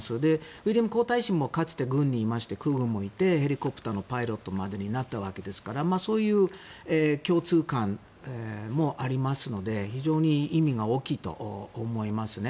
ウィリアム皇太子もかつて軍にいまして空軍にいて、ヘリコプターのパイロットにまでなったわけですからそういう共通感もありますので非常に意味が大きいと思いますね。